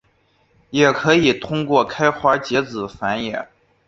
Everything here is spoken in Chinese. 也可以通过开花结籽繁衍。